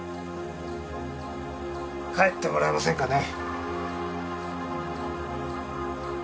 帰ってもらえませんかね。